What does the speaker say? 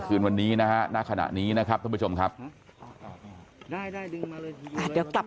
คืนวันนี้นะฮะณขณะนี้นะครับท่านผู้ชมครับเดี๋ยวกลับ